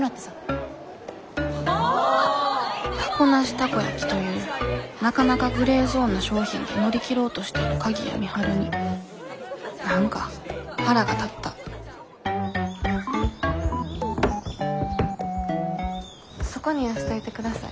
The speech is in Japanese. タコなしタコ焼きというなかなかグレーゾーンな商品で乗り切ろうとしている鍵谷美晴に何か腹が立ったそこに寄せといて下さい。